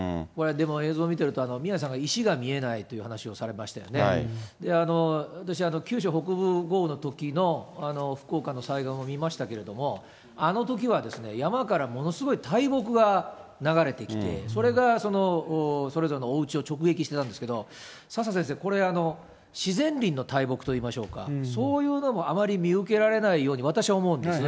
映像見ていると、宮根さんがいしが見えないという話をされましたよね、私、九州北部豪雨のときの福岡の災害も見ましたけれども、あのときは、山からものすごい大木が流れてきて、それが、それぞれのおうちを直撃してたんですけど、佐々先生、これ、自然林の大木といいましょうか、そういうのもあまり見受けられないように、私は思うんですね。